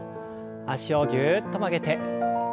脚をぎゅっと曲げて。